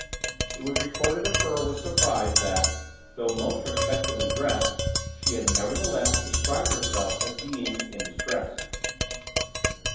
It was recorded of her with surprise that, though most respectably dressed, she had nevertheless described herself as being "in distress."